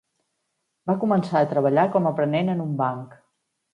Va començar a treballar com a aprenent en un banc.